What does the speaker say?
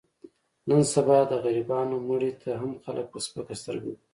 نن سبا د غریبانو مړي ته هم خلک په سپکه سترګه ګوري.